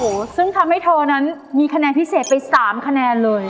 โห้ซึ่งทำให้โทนั้นมีคะแนนพิเศษไป๓คะแนนเลย